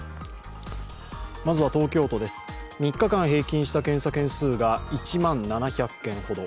まずは東京都です、３日間平均した検査件数が１万７００件ほど。